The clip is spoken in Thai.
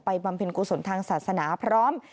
บำเพ็ญกุศลทางศาสนาพร้อม